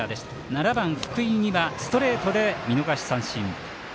７番、福井にはストレートで見逃し三振。